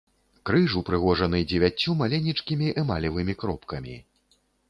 Крыж упрыгожаны дзевяццю маленечкімі эмалевымі кропкамі.